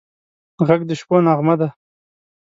غږ د شپو نغمه ده